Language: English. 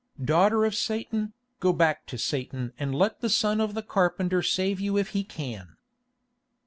Daughter of Satan, go back to Satan and let the Son of the carpenter save you if he can."